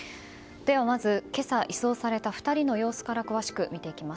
では、まず今朝移送された２人の様子から詳しく見ていきます。